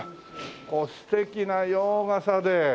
素敵な洋傘で。